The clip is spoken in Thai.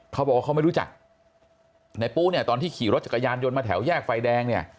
เขาบอกว่าเขาไม่รู้จักในปุ๊เนี่ยตอนที่ขี่รถจักรยานยนต์มาแถวแยกไฟแดงเนี่ย